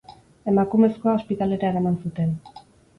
Emakumezkoa ospitalera eraman zuten.